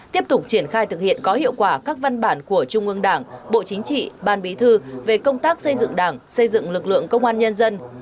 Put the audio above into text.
tiếp tục triển khai thực hiện có hiệu quả các văn bản của trung ương đảng bộ chính trị ban bí thư về công tác xây dựng đảng xây dựng lực lượng công an nhân dân